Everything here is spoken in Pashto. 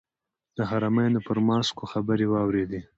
د حرمینو پر ماسکو خبرې واورېدې.